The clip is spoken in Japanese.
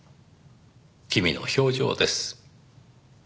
君の表情です。